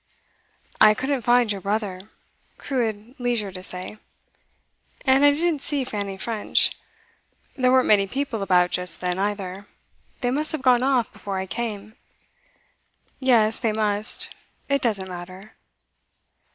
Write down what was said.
'I couldn't find your brother,' Crewe had leisure to say; 'and I didn't see Fanny French. There weren't many people about just then, either. They must have gone off before I came.' 'Yes, they must. It doesn't matter.